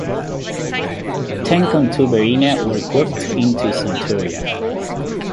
Ten contubernia were grouped into a centuria.